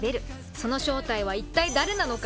その正体は一体誰なのか？